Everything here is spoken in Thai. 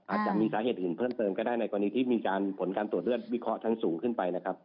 อาจจะมีสาเหตุอื่นเพิ่มเติมก็ได้ในกรณีที่มีการผลการตรวจเลือดวิเคราะหันสูงขึ้นไปนะครับ